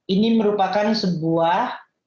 ini merupakan sebuah